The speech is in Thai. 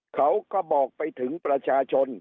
เขาก็บอกไปถึงประชาชน